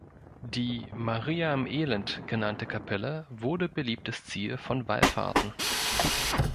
Die „Maria im Elend“ genannte Kapelle wurde beliebtes Ziel von Wallfahrten.